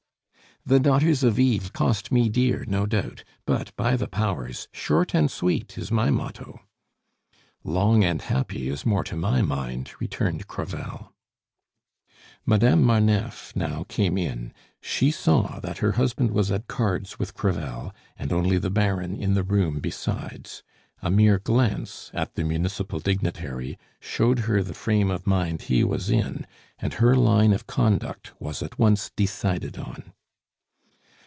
"The daughters of Eve cost me dear, no doubt; but, by the powers! 'Short and sweet' is my motto." "'Long and happy' is more to my mind," returned Crevel. Madame Marneffe now came in; she saw that her husband was at cards with Crevel, and only the Baron in the room besides; a mere glance at the municipal dignitary showed her the frame of mind he was in, and her line of conduct was at once decided on.